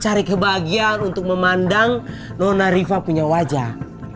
cari kebahagiaan untuk memandang nona riva punya wajah